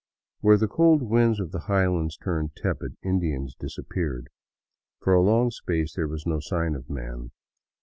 Where the cold winds of the highlands turned tepid, Indians disappeared. For a long space there was no sign of man.